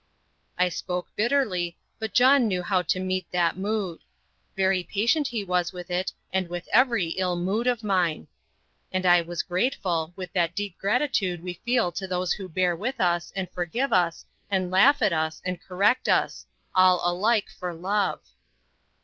I spoke bitterly, but John knew how to meet that mood. Very patient he was with it and with every ill mood of mine. And I was grateful, with that deep gratitude we feel to those who bear with us, and forgive us, and laugh at us, and correct us, all alike for love.